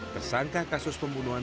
kesangka kasus pembunuhan